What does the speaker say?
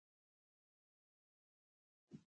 افتخارات یې روحانیونو ته ورسیږي.